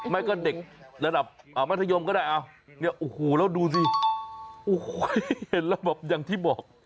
ไม่ก็เด็กระดับมัธยมก็ได้แล้วดูสิเห็นแล้วแบบอย่างที่บอก